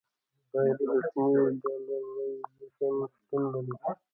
غیر رسمي ډالرایزیشن شتون لري.